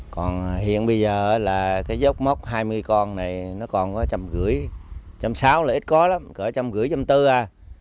còn hiện bây giờ là cái dốc mốc hai mươi con này nó còn có trăm gửi một trăm sáu là ít có lắm cỡ trăm gửi trăm tư à